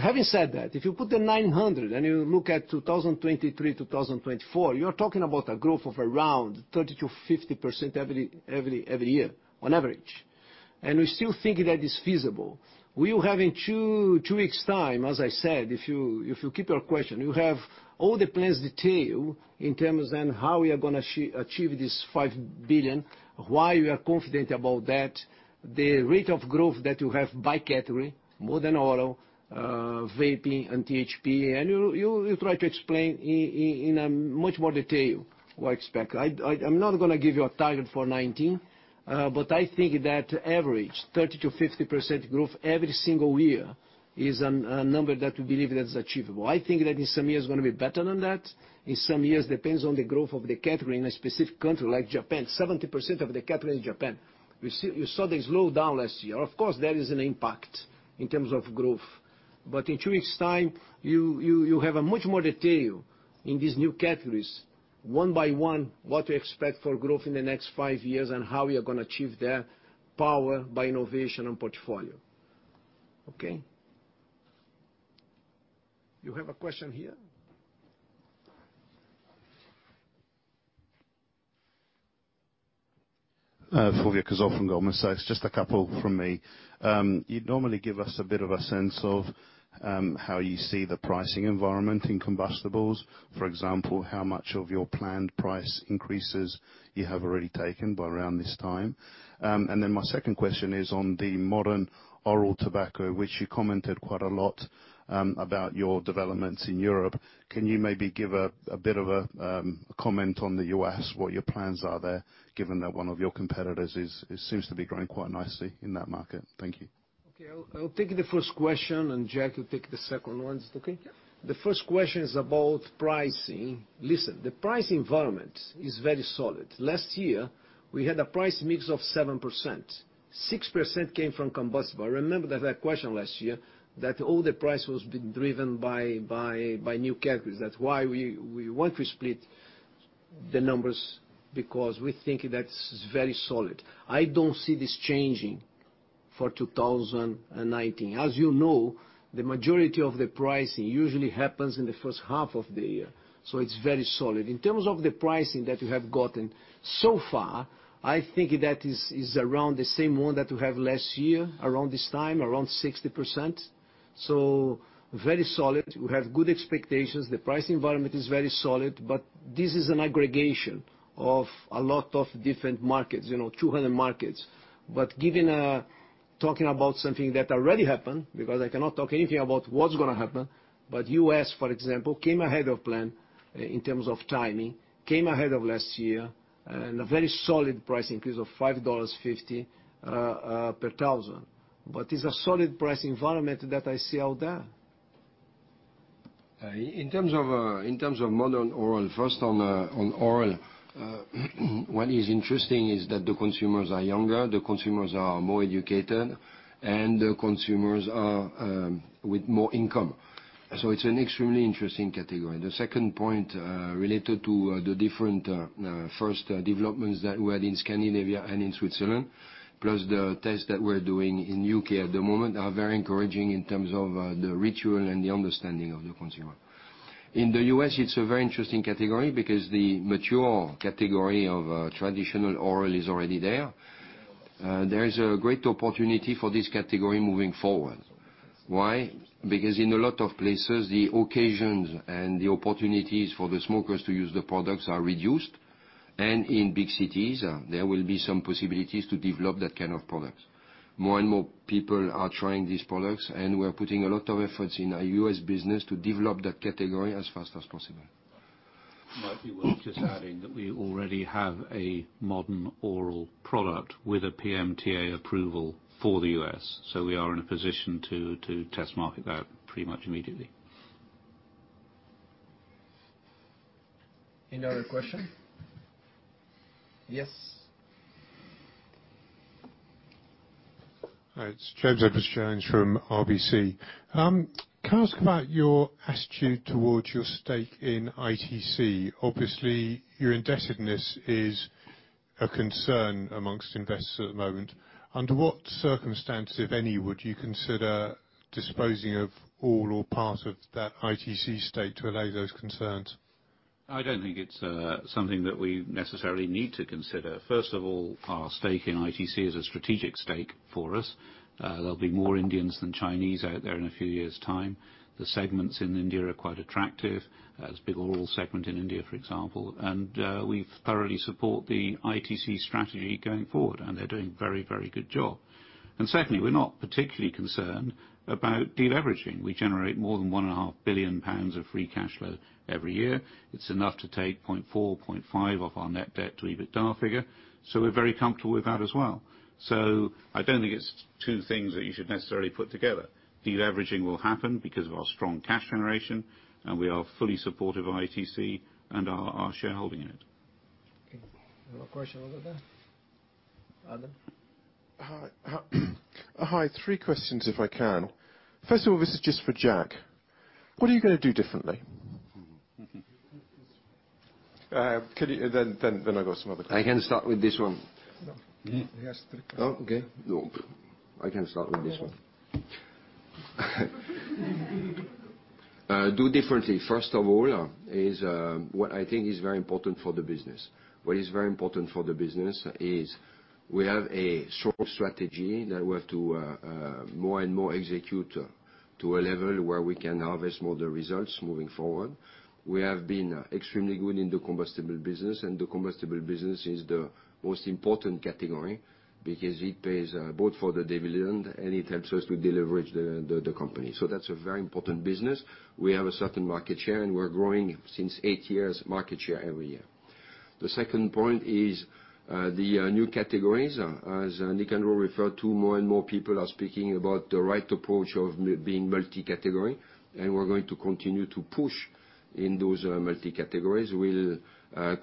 A: Having said that, if you put the 900 and you look at 2023, 2024, you are talking about a growth of around 30%-50% every year on average. We still think that is feasible. We will have in two weeks' time, as I said, if you keep your question, you have all the plans detailed in terms on how we are going to achieve this 5 billion, why we are confident about that. The rate of growth that you have by category, modern oral, vaping and THP, and you try to explain in a much more detail what to expect. I'm not going to give you a target for 2019. I think that average 30%-50% growth every single year is a number that we believe that is achievable. I think that in some years going to be better than that. In some years, depends on the growth of the category in a specific country like Japan. 70% of the category is Japan. You saw they slowed down last year. Of course, there is an impact in terms of growth. In two weeks' time, you have a much more detail in these new categories, one by one, what we expect for growth in the next five years and how we are going to achieve that. Power by innovation and portfolio. Okay. You have a question here.
F: Fulvio Cosol from Goldman Sachs. Just a couple from me. You'd normally give us a bit of a sense of how you see the pricing environment in combustibles. For example, how much of your planned price increases you have already taken by around this time. Then my second question is on the modern oral tobacco, which you commented quite a lot about your developments in Europe. Can you maybe give a bit of a comment on the U.S., what your plans are there, given that one of your competitors seems to be growing quite nicely in that market? Thank you.
A: Okay. I'll take the first question, and Jack will take the second one. Is it okay?
B: Yeah.
A: The first question is about pricing. Listen, the price environment is very solid. Last year, we had a price mix of 7%. 6% came from combustible. Remember that question last year, that all the price has been driven by new categories. That's why we want to split the numbers, because we think that's very solid. I don't see this changing for 2019. As you know, the majority of the pricing usually happens in the first half of the year, it's very solid. In terms of the pricing that you have gotten so far, I think that is around the same one that we have last year, around this time, around 60%. Very solid. We have good expectations. The price environment is very solid, this is an aggregation of a lot of different markets, 200 markets. Talking about something that already happened, because I cannot talk anything about what's going to happen, U.S., for example, came ahead of plan in terms of timing, came ahead of last year, and a very solid price increase of $5.50 per thousand. It's a solid price environment that I see out there.
B: In terms of modern oral, first on oral. What is interesting is that the consumers are younger, the consumers are more educated, and the consumers are with more income. It's an extremely interesting category. The second point, related to the different first developments that we had in Scandinavia and in Switzerland, plus the tests that we're doing in U.K. at the moment, are very encouraging in terms of the ritual and the understanding of the consumer. In the U.S., it's a very interesting category because the mature category of traditional oral is already there. There is a great opportunity for this category moving forward. Why? Because in a lot of places, the occasions and the opportunities for the smokers to use the products are reduced. In big cities, there will be some possibilities to develop that kind of product. More and more people are trying these products, and we're putting a lot of efforts in our U.S. business to develop that category as fast as possible.
C: It might be worth just adding that we already have a modern oral product with a PMTA approval for the U.S., so we are in a position to test market that pretty much immediately.
A: Any other question? Yes.
G: Hi, it's James Edwardes Jones from RBC. Can I ask about your attitude towards your stake in ITC? Obviously, your indebtedness is a concern amongst investors at the moment. Under what circumstances, if any, would you consider disposing of all or part of that ITC stake to allay those concerns?
C: I don't think it's something that we necessarily need to consider. First of all, our stake in ITC is a strategic stake for us. There'll be more Indians than Chinese out there in a few years' time. The segments in India are quite attractive. There's a big oral segment in India, for example. We thoroughly support the ITC strategy going forward, and they're doing a very good job. Secondly, we're not particularly concerned about de-leveraging. We generate more than 1.5 billion pounds of free cash flow every year. It's enough to take 0.4, 0.5 off our net debt to EBITDA figure. We're very comfortable with that as well. I don't think it's two things that you should necessarily put together. De-leveraging will happen because of our strong cash generation, and we are fully supportive of ITC and our shareholding in it.
A: Okay. Another question over there. Adam?
H: Hi. Hi, three questions if I can. First of all, this is just for Jack. What are you going to do differently? I got some other things.
B: I can start with this one.
A: No. He asked the question.
B: Oh, okay. No. I can start with this one. Do differently. First of all, is what I think is very important for the business. What is very important for the business is we have a strong strategy that we have to more and more execute to a level where we can harvest more of the results moving forward. We have been extremely good in the combustible business, and the combustible business is the most important category because it pays both for the dividend, and it helps us to deleverage the company. That's a very important business. We have a certain market share, and we're growing since eight years, market share every year. The second point is, the new categories. As Nicandro referred to, more and more people are speaking about the right approach of being multi-category. We're going to continue to push in those multi-categories. We'll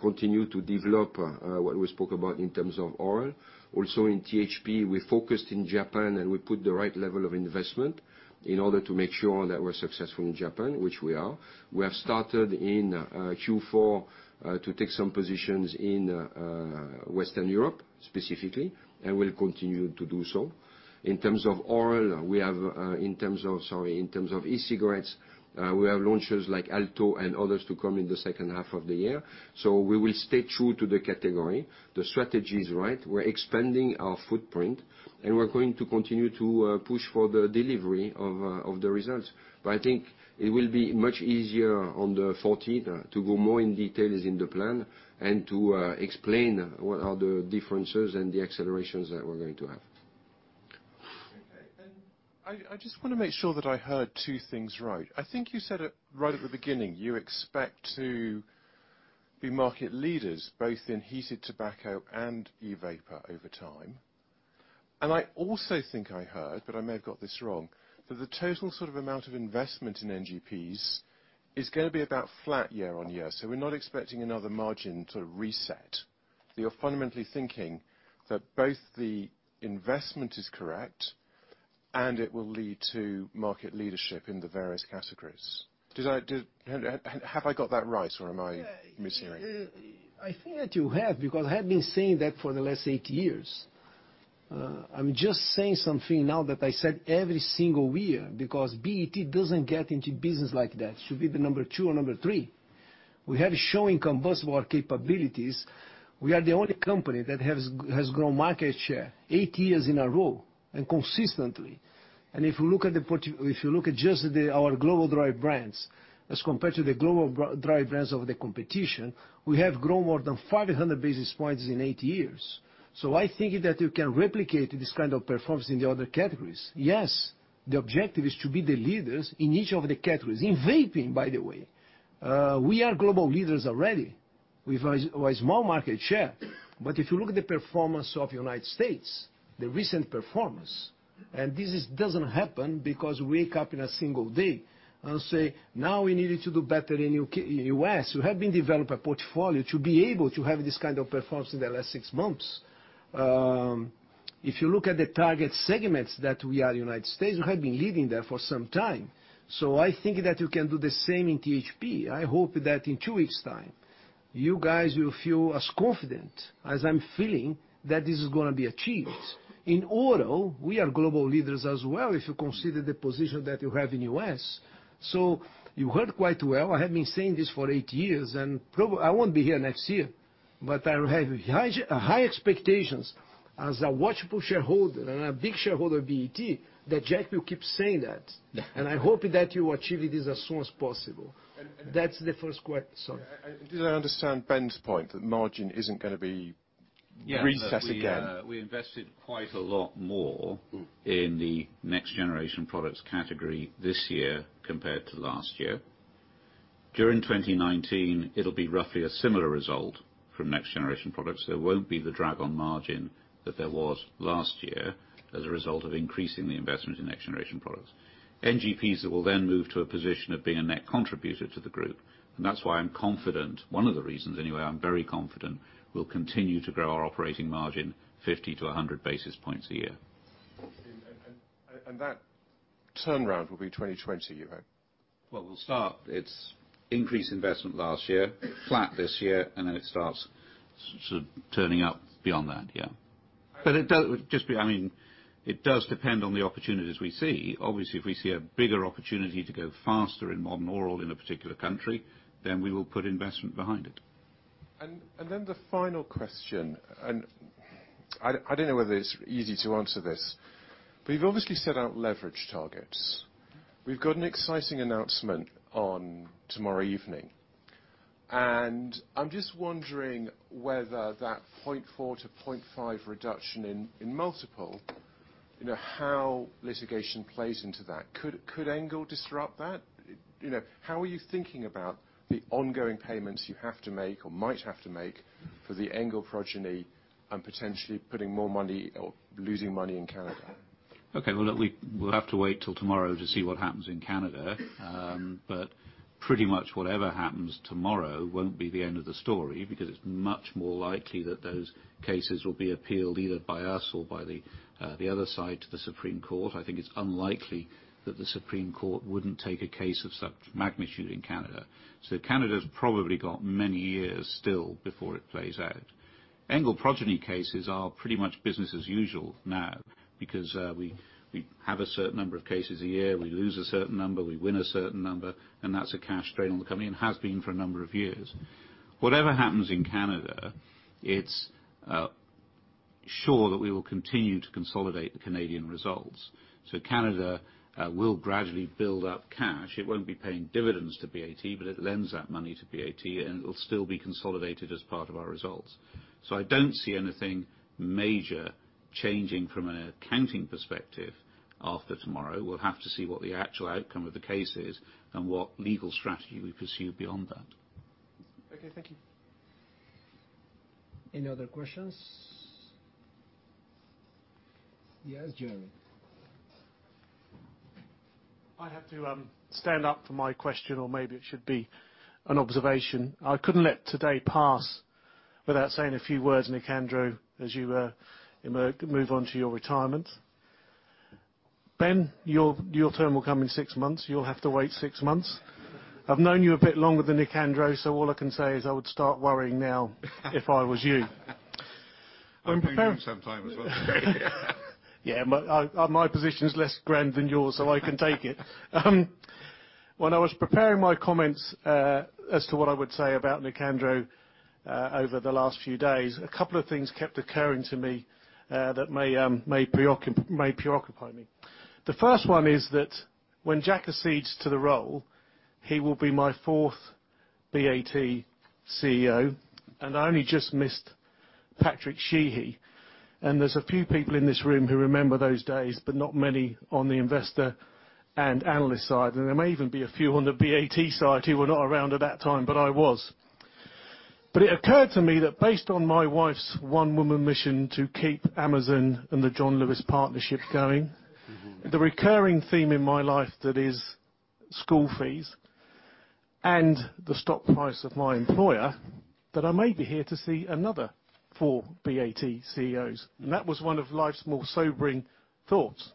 B: continue to develop what we spoke about in terms of oral. Also, in THP, we're focused in Japan, and we put the right level of investment in order to make sure that we're successful in Japan, which we are. We have started in Q4 to take some positions in Western Europe, specifically, and we'll continue to do so. In terms of e-cigarettes, we have launches like Alto and others to come in the second half of the year. We will stay true to the category. The strategy is right. We're expanding our footprint, and we're going to continue to push for the delivery of the results. I think it will be much easier on the 14th to go more in details in the plan and to explain what are the differences and the accelerations that we're going to have.
H: Okay. I just want to make sure that I heard two things right. I think you said it right at the beginning, you expect to-Be market leaders both in heated tobacco and e-vapor over time. I also think I heard, but I may have got this wrong, that the total sort of amount of investment in NGPs is going to be about flat year-over-year. We're not expecting another margin to reset. That you're fundamentally thinking that both the investment is correct and it will lead to market leadership in the various categories. Have I got that right or am I mishearing?
A: Yeah. I think that you have, because I have been saying that for the last 8 years. I'm just saying something now that I said every single year, because BAT doesn't get into business like that to be the number 2 or number 3. We have shown in combustible our capabilities. We are the only company that has grown market share 8 years in a row, and consistently. If you look at just our global drive brands as compared to the global drive brands of the competition, we have grown more than 500 basis points in 8 years. I think that you can replicate this kind of performance in the other categories. Yes, the objective is to be the leaders in each of the categories. In vaping, by the way, we are global leaders already with a small market share, but if you look at the performance of United States, the recent performance. This doesn't happen because we wake up in a single day and say, "Now we needed to do better in U.S." We have been developing a portfolio to be able to have this kind of performance in the last 6 months. If you look at the target segments that we are in United States, we have been leading there for some time. I think that we can do the same in THP. I hope that in 2 weeks time, you guys will feel as confident as I'm feeling that this is going to be achieved. In oral, we are global leaders as well, if you consider the position that we have in U.S. You heard quite well, I have been saying this for 8 years, and I won't be here next year, but I have high expectations as a watchful shareholder and a big shareholder of BAT, that Jack will keep saying that. I hope that you achieve it as soon as possible.
H: And-
A: That's the first question.
H: Did I understand Ben's point, that margin isn't going to be reset again?
C: Yeah. Look, we invested quite a lot more in the next generation products category this year compared to last year. During 2019, it'll be roughly a similar result from next generation products. There won't be the drag on margin that there was last year as a result of increasing the investment in next generation products. NGPs will then move to a position of being a net contributor to the group, that's why I'm confident, one of the reasons anyway, I'm very confident we'll continue to grow our operating margin 50 to 100 basis points a year.
H: That turnaround will be 2020, you hope?
C: Well, we'll start. It's increased investment last year, flat this year, then it starts sort of turning up beyond that, yeah. It does depend on the opportunities we see. Obviously, if we see a bigger opportunity to go faster in modern oral in a particular country, then we will put investment behind it.
H: I don't know whether it's easy to answer this, you've obviously set out leverage targets. We've got an exciting announcement on tomorrow evening. I'm just wondering whether that 0.4-0.5 reduction in multiple, how litigation plays into that. Could Engle disrupt that? How are you thinking about the ongoing payments you have to make or might have to make for the Engle progeny and potentially putting more money or losing money in Canada?
C: We'll have to wait till tomorrow to see what happens in Canada. Pretty much whatever happens tomorrow won't be the end of the story, because it's much more likely that those cases will be appealed either by us or by the other side to the Supreme Court. I think it's unlikely that the Supreme Court wouldn't take a case of such magnitude in Canada. Canada's probably got many years still before it plays out. Engle progeny cases are pretty much business as usual now, because we have a certain number of cases a year, we lose a certain number, we win a certain number, and that's a cash drain on the company and has been for a number of years. Whatever happens in Canada, it's sure that we will continue to consolidate the Canadian results. Canada will gradually build up cash. It won't be paying dividends to BAT, it lends that money to BAT, it'll still be consolidated as part of our results. I don't see anything major changing from an accounting perspective after tomorrow. We'll have to see what the actual outcome of the case is and what legal strategy we pursue beyond that.
H: Okay, thank you.
A: Any other questions? Yes, Jeremy.
H: I have to stand up for my question, or maybe it should be an observation. I couldn't let today pass without saying a few words, Nicandro, as you move on to your retirement. Ben, your turn will come in six months. You'll have to wait six months. I've known you a bit longer than Nicandro, so all I can say is I would start worrying now if I was you.
C: I've known you some time as well.
H: Yeah, my position's less grand than yours, so I can take it. When I was preparing my comments as to what I would say about Nicandro over the last few days, a couple of things kept occurring to me that may preoccupy me. The first one is that when Jack accedes to the role, he will be my fourth BAT CEO, and I only just missed Patrick Sheehy. There's a few people in this room who remember those days, but not many on the investor and analyst side. There may even be a few on the BAT side who were not around at that time, but I was. It occurred to me that based on my wife's one-woman mission to keep Amazon and the John Lewis Partnership going, the recurring theme in my life that is school fees and the stock price of my employer, that I may be here to see another four BAT CEOs. That was one of life's more sobering thoughts.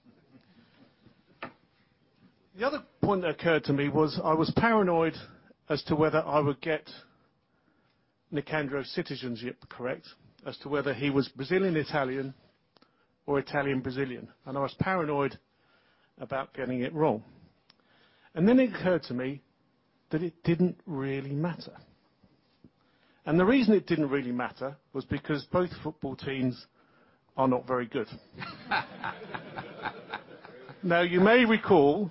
H: The other point that occurred to me was, I was paranoid as to whether I would get Nicandro's citizenship correct, as to whether he was Brazilian-Italian or Italian-Brazilian, and I was paranoid about getting it wrong. Then it occurred to me that it didn't really matter. The reason it didn't really matter was because both football teams are not very good. You may recall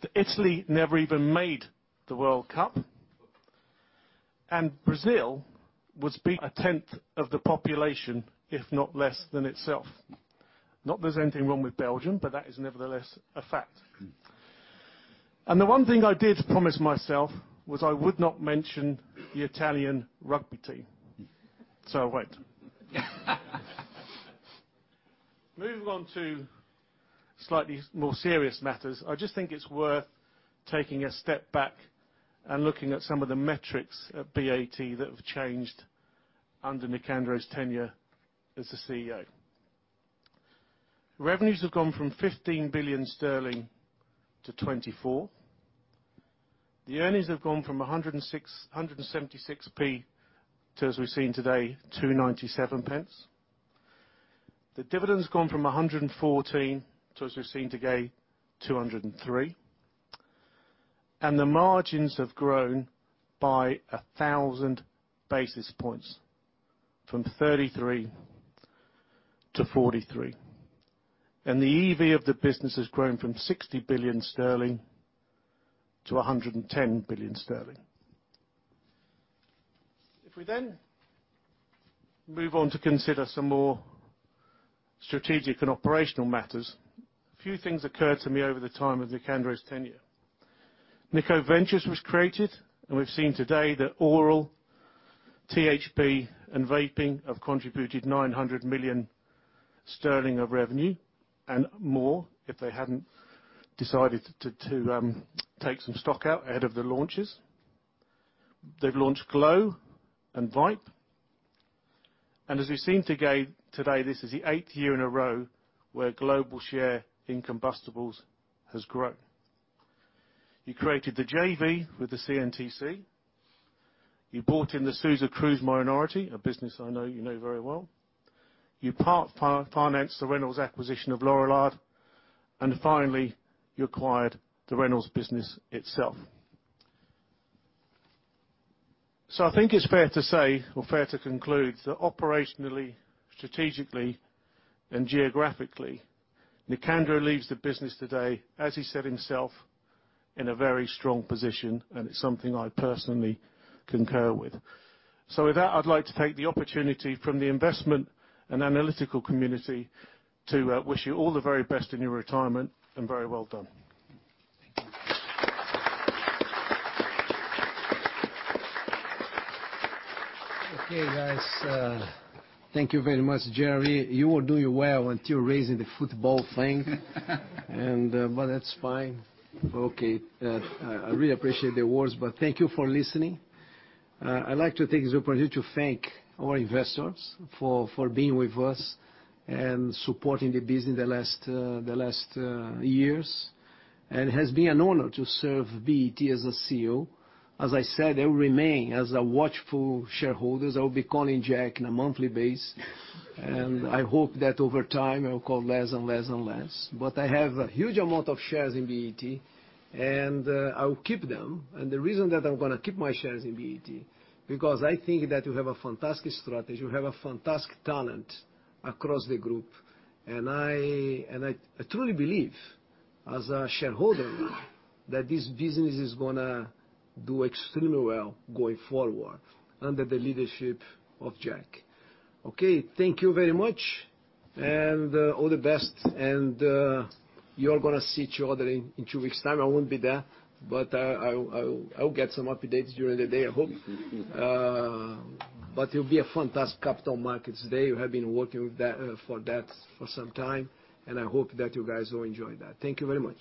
H: that Italy never even made the World Cup, and Brazil was beat a tenth of the population, if not less than itself. Not there's anything wrong with Belgium, but that is nevertheless a fact. The one thing I did promise myself, was I would not mention the Italian rugby team. I won't. Moving on to slightly more serious matters. I just think it's worth taking a step back and looking at some of the metrics at BAT that have changed under Nicandro's tenure as the CEO. Revenues have gone from 15 billion sterling to 24 billion. The earnings have gone from 1.76 to, as we've seen today, 2.97. The dividend's gone from 1.14 sterling to, as we've seen today, 2.03. The margins have grown by 1,000 basis points, from 33% to 43%. The EV of the business has grown from 60 billion sterling to 110 billion sterling. If we move on to consider some more strategic and operational matters, a few things occurred to me over the time of Nicandro's tenure. Nicoventures was created, we've seen today that oral, THP, and vaping have contributed 900 million sterling of revenue, and more if they hadn't decided to take some stock out ahead of the launches. They've launched Glo and Vype. As we've seen today, this is the eighth year in a row where global share in combustibles has grown. You created the JV with the CNTC. You bought in the Souza Cruz minority, a business I know you know very well. You part-financed the Reynolds acquisition of Lorillard, and finally, you acquired the Reynolds business itself. I think it's fair to say or fair to conclude, that operationally, strategically, and geographically, Nicandro leaves the business today, as he said himself, in a very strong position, and it's something I personally concur with. With that, I'd like to take the opportunity from the investment and analytical community to wish you all the very best in your retirement, and very well done.
A: Okay, guys. Thank you very much, Gerry. You were doing well until raising the football thing. That's fine. Okay. I really appreciate the awards. Thank you for listening. I'd like to take this opportunity to thank our investors for being with us and supporting the business the last years. It has been an honor to serve BAT as a CEO. As I said, I will remain as a watchful shareholder. I will be calling Jack in a monthly base. I hope that over time, I will call less and less and less. I have a huge amount of shares in BAT, and I will keep them. The reason that I'm gonna keep my shares in BAT, because I think that you have a fantastic strategy, you have a fantastic talent across the group. I truly believe, as a shareholder that this business is gonna do extremely well going forward under the leadership of Jack. Okay. Thank you very much. All the best. You all are gonna see each other in two weeks' time. I won't be there. I will get some updates during the day, I hope. It'll be a fantastic capital markets day. We have been working for that for some time. I hope that you guys will enjoy that. Thank you very much.